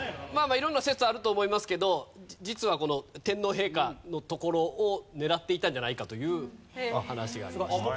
色んな説はあると思いますけど実はこの天皇陛下のところを狙っていたんじゃないかというお話がありました。